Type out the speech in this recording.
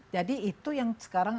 jadi itu yang sekarang